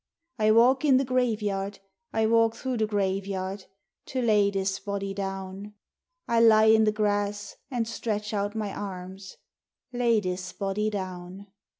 I walk in de graveyard, I walk troo de graveyard, To lay dis body down. I'll lie in de grass and stretch out my arms : Lay dis body down.